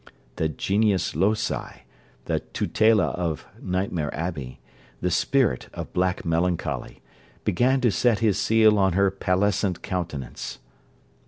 The Genius Loci, the tutela of Nightmare Abbey, the spirit of black melancholy, began to set his seal on her pallescent countenance.